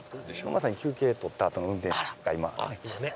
まさに休憩取ったあとの運転士とかいます。